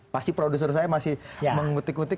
pasti produser saya masih mengutik utik